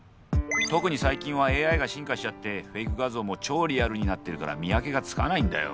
特に最近はＡＩが進化しちゃってフェイク画像も超リアルになってるから見分けがつかないんだよ。